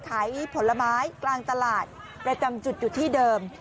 ขายผลไม้กลางตลาดประจำจุดอยู่ที่เดิม